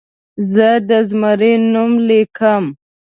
زه د زمري نوم لیکم.